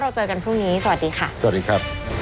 เราเจอกันพรุ่งนี้สวัสดีค่ะ